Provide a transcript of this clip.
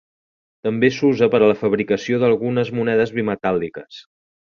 També s'usa per a la fabricació d'algunes monedes bimetàl·liques.